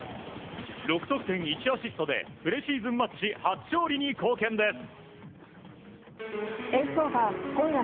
６得点１アシストでプレシーズンマッチ初勝利に貢献です。